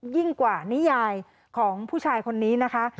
ยิ่งกว่านิยายของผู้ชายคนนี้นะคะ